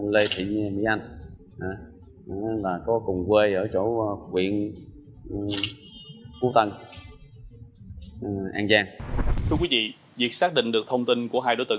lê thị mỹ anh và có cùng quê ở chỗ quyện cú tân an giang thưa quý vị việc xác định được thông tin của hai đối tượng